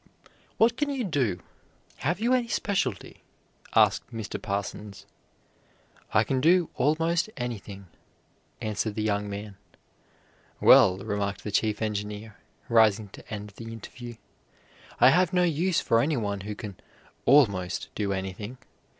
"What can you do? Have you any specialty?" asked Mr. Parsons. "I can do almost anything," answered the young man. "Well," remarked the Chief Engineer, rising to end the interview, "I have no use for anyone who can 'almost' do anything.